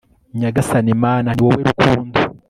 nyagasani mana, ni wowe rukundo